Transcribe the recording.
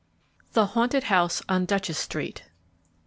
THE Haunted House on Duchess Street.